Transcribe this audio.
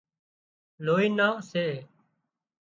لوِي نان سي